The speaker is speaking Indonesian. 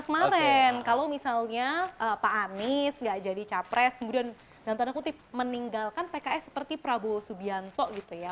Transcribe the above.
dua ribu sembilan belas kemarin kalau misalnya pak anies nggak jadi capres kemudian dengan tanda kutip meninggalkan pks seperti prabowo subianto gitu ya